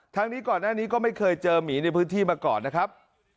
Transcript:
ทั้งนี้ก่อนหน้านี้ก็ไม่เคยเจอหมีในพื้นที่มาก่อนนะครับ